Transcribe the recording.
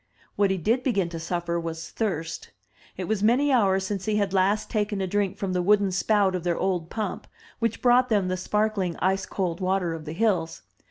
What he did begin to suffer was thirst. It was many hours since he had last taken a drink from the wooden spout of their old pump, which brought them the sparkling, ice cold water of the hills.